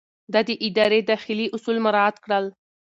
ده د ادارې داخلي اصول مراعات کړل.